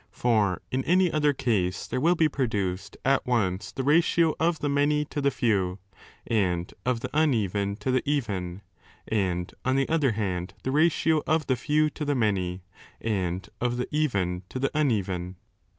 For in ■any other case there will be produced at once the ratio of the many to the few, and of the uneven to the even, and on the other hand the ratio of the few to the many, uid of the even to the uneven.